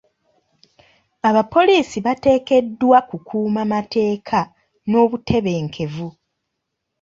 Abapoliisi bateekeddwa kukuuma mateeka n'obutebenkevu.